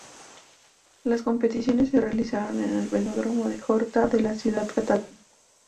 Las competiciones se realizaron en el Velódromo de Horta de la ciudad catalana.